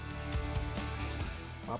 papan bernuansa halloween ini misalnya